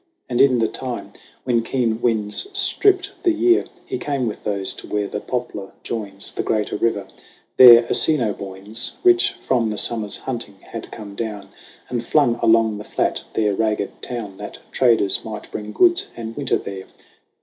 And in the time when keen winds stripped the year He came with those to where the Poplar joins The greater river. There Assinoboines, Rich from the Summer's hunting, had come down And flung along the flat their ragged town, That traders might bring goods and winter there.